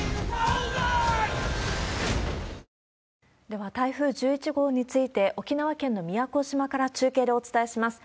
では、台風１１号について、沖縄県の宮古島から中継でお伝えします。